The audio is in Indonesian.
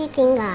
aku mau ke rumah